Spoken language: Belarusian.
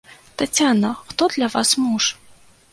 Таццяна, хто для вас муж?